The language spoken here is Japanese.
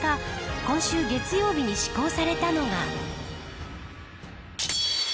今週月曜日に施行されたのが。